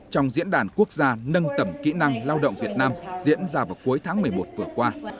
trong diễn đàn quốc gia nâng tầm kỹ năng lao động việt nam diễn ra vào cuối tháng một mươi một vừa qua